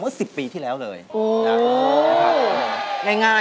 เพื่อจะไปชิงรางวัลเงินล้าน